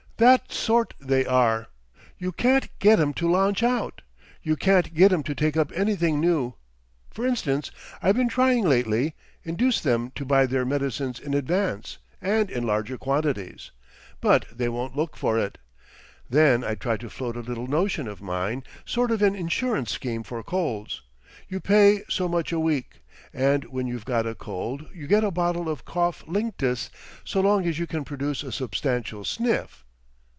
That sort they are. You can't get 'em to launch out, you can't get 'em to take up anything new. For instance, I've been trying lately—induce them to buy their medicines in advance, and in larger quantities. But they won't look for it! Then I tried to float a little notion of mine, sort of an insurance scheme for colds; you pay so much a week, and when you've got a cold you get a bottle of Cough Linctus so long as you can produce a substantial sniff.